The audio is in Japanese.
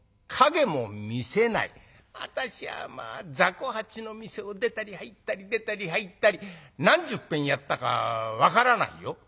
私はまあざこ八の店を出たり入ったり出たり入ったり何十遍やったか分からないよ。